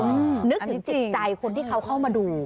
นึกถึงจิตใจคนที่เขาเข้ามาดู